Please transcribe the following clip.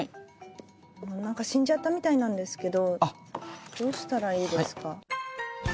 なんか死んじゃったみたいなんですけど、どうしたらいいですか？